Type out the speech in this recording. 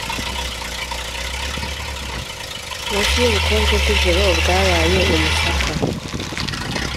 Munsi yubukonje bwijoro bwabaye umusaka